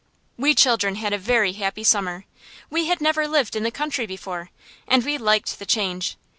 We children had a very happy summer. We had never lived in the country before, and we liked the change.